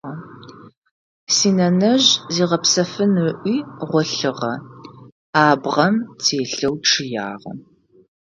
Синэнэжъ зигъэпсэфын ыӏуи гъолъыгъэ, абгъэм телъэу чъыягъэ.